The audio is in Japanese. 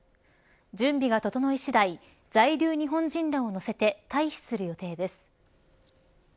準備が整い次第在留日本人らを乗せて退避する予定です。